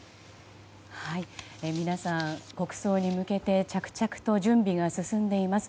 皆さん、国葬に向けて着々と準備が進んでいます。